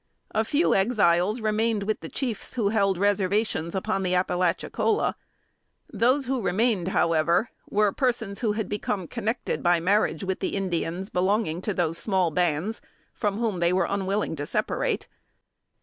A few Exiles remained with the chiefs who held reservations upon the Appalachicola. Those who remained, however, were persons who had become connected by marriage with the Indians belonging to those small bands, from whom they were unwilling to separate.